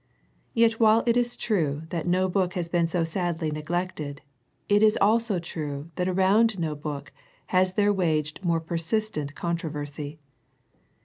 Yet while it is true that no book has been so sadly neglected, it is also true that around no book has there waged more persistent contro versy.